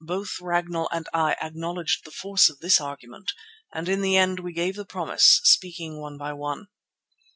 Both Ragnall and I acknowledged the force of this argument and in the end we gave the promise, speaking one by one.